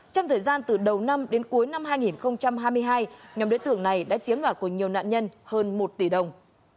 trong thời gian từ đầu năm đến cuối năm hai nghìn hai mươi hai nhóm đối tượng này đã chiếm đoạt của nhiều nạn nhân hơn một tỷ đồng